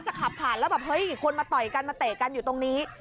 ขับผ่านแล้วแบบเฮ้ยคนมาต่อยกันมาเตะกันอยู่ตรงนี้